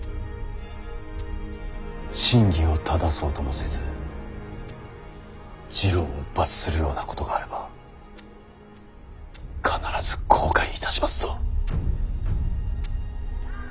真偽をただそうともせず次郎を罰するようなことがあれば必ず後悔いたしますぞ。